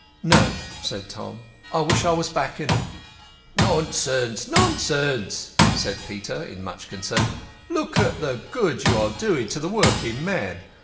"No," said Tom, "I wish I was back in them." "Nonsense, nonsense," said Peter, in much concern. "Look at the good you are doing to the working man.